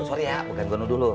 sorry ya bukan gua nuduh lu